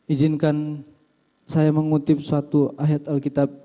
izinkan saya mengutip suatu ayat alkitab